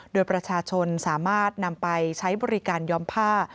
โดยประชาชนสามารถนำไปใช้บริการย้อมผ้า